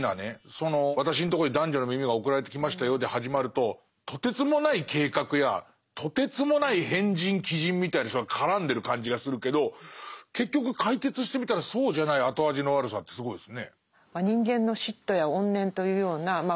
その私のとこに男女の耳が送られてきましたよで始まるととてつもない計画やとてつもない変人奇人みたいな人が絡んでる感じがするけど結局解決してみたらそうじゃない後味の悪さってすごいですね。